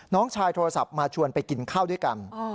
น้องชายโทรศัพท์มาชวนไปกินข้าวด้วยกัน